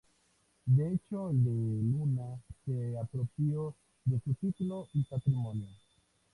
De hecho el de Luna se apropió de su título y patrimonio.